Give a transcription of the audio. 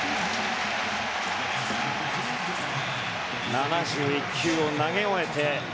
７１球を投げ終えて